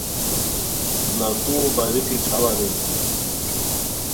بڑاکوؤ باریکی ݯھاؤ ارینی